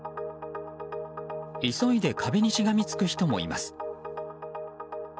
急いで壁にしがみつく人もいます。